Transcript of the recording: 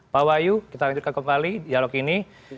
pak wahyu kita lanjutkan kembali dialog ini